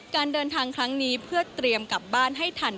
การเดินทางครั้งนี้เพื่อเตรียมกลับบ้านให้ทัน